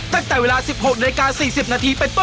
ตั้งแต่เวลา๑๖รายการ๔๐นาทีเป็นต้นไป